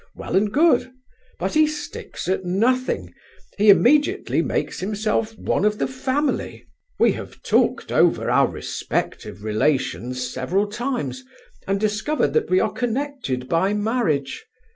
Well and good; but he sticks at nothing; he immediately makes himself one of the family. We have talked over our respective relations several times, and discovered that we are connected by marriage.